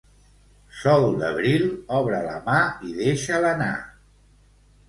Sol d'abril, obre la mà i deixa'l anar.